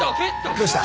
どうした？